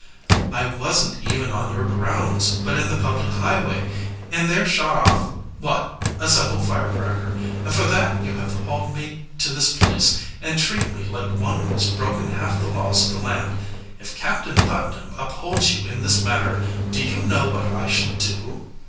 "I wasn't even on your grounds, but in the public highway and there shot off what? A simple firecracker. And for that you hauled me to this place, and treat me like one who has broken half the laws of the land. If Captain Putnam upholds you in this matter, do you know what I shall do?"